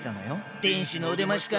天使のお出ましか。